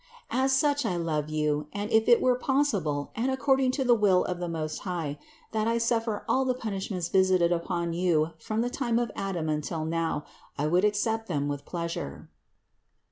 As such I love you and if it were possible and according to the will of the Most High, that I suffer all the punishments visited upon you from the time of Adam until now, I would accept them with pleasure."